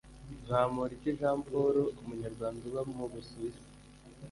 bamporiki jean paul umunyarwanda uba mu busuwisi